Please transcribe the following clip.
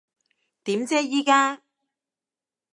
點啫依家？